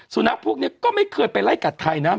สุนัขพวกนี้ก็ไม่เคยไปไล่กัดใครนะ